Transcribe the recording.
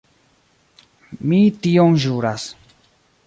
Mi tion ĵuras.